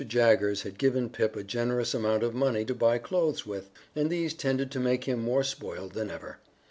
Jaggers had given Pip a generous amount of money to buy new clothes with, and these tended to make him more spoiled than ever.